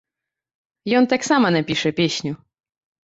Ён таксама напіша песню.